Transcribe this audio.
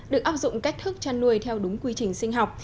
được áp dụng cách thức chăn nuôi theo đúng quy trình sinh học